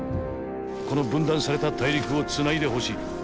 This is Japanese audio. この分断された大陸を繋いでほしい。